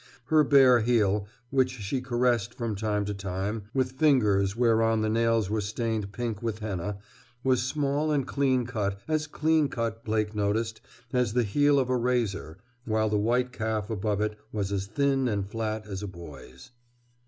Her bare heel, which she caressed from time to time with fingers whereon the nails were stained pink with henna, was small and clean cut, as clean cut, Blake noticed, as the heel of a razor, while the white calf above it was as thin and flat as a boy's.